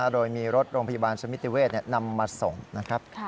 โดยมีรถโรงพยาบาลสมิติเวศนำมาส่งนะครับ